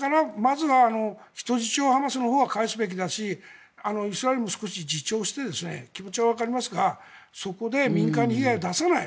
人質をハマスのほうは返すべきだしイスラエルも自重して気持ちはわかりますがそこで民間に被害を出さない。